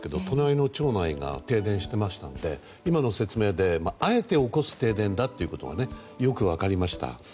隣の町内が停電していましたので今の説明であえて起こす停電だということがよく分かりました。